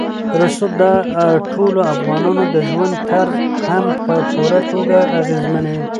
رسوب د ټولو افغانانو د ژوند طرز هم په پوره توګه اغېزمنوي.